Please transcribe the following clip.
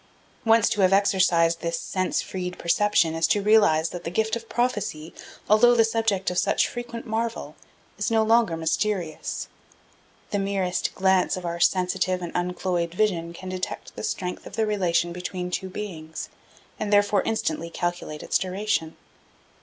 Once to have exercised this sense freed perception is to realize that the gift of prophecy, although the subject of such frequent marvel, is no longer mysterious. The merest glance of our sensitive and uncloyed vision can detect the strength of the relation between two beings, and therefore instantly calculate its duration.